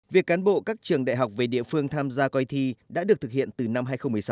việc cán bộ các trường đại học về địa phương tham gia coi thi đã được thực hiện từ năm hai nghìn một mươi sáu